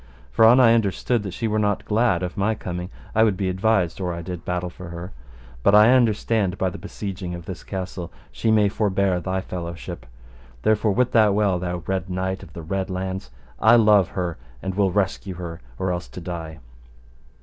For an I understood that she were not glad of my coming, I would be advised or I did battle for her. But I understand by the besieging of this castle she may forbear thy fellowship. And therefore wit thou well, thou Red Knight of the Red Launds, I love her, and will rescue her, or else to die.